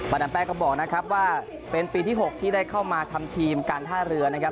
ดามแป้งก็บอกนะครับว่าเป็นปีที่๖ที่ได้เข้ามาทำทีมการท่าเรือนะครับ